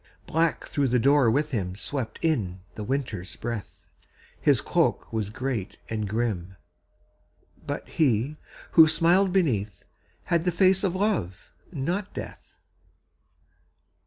_ Black through the door with him Swept in the Winter's breath; His cloak was great and grim But he, who smiled beneath, Had the face of Love not Death.